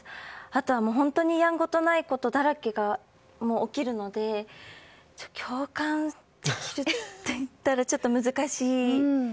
あとは、本当にやんごとないことだらけが起きるので、共感といったらちょっと難しい。